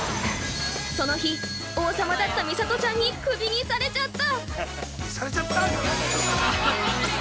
◆その日、王様だったミサトちゃんにクビにされちゃった。